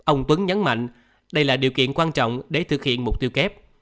ông tuấn nhấn mạnh đây là điều kiện quan trọng để thực hiện mục tiêu kép